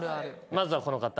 まずはこの方。